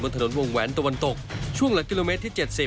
ถนนวงแหวนตะวันตกช่วงหลักกิโลเมตรที่๗๐